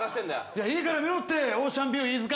いや、いいから見ろよ、オーシャンビュー飯塚。